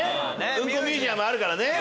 うんこミュージアムあるからね。